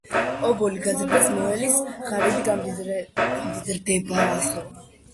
ობოლი გაზრდას მოელის, ღარიბი - გამდიდრებასო